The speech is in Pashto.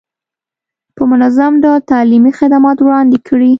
په منظم ډول تعلیمي خدمات وړاندې کړي.